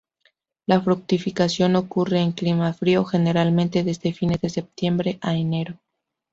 La fructificación ocurre en clima frío, generalmente desde fines de septiembre a enero.